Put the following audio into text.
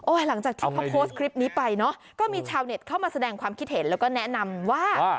หลังจากที่เขาโพสต์คลิปนี้ไปเนอะก็มีชาวเน็ตเข้ามาแสดงความคิดเห็นแล้วก็แนะนำว่า